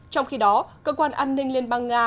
trong khi đó cơ quan an ninh liên bang nga